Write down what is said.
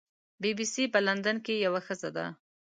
بی بي سي په لندن کې یوه ښځه ده.